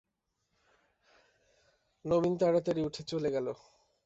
নবীন তাড়াতাড়ি উঠে চলে গেল।